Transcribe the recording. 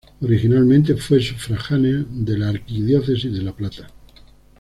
Originalmente fue sufragánea de la arquidiócesis de La Plata.